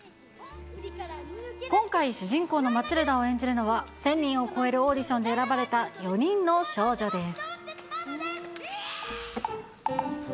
今回、主人公のマチルダを演じるのは、１０００人を超えるオーディションで選ばれた４人の少女です。